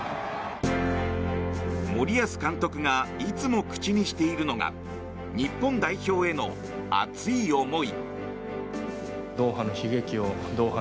森保監督がいつも口にしているのが日本代表への熱い思い。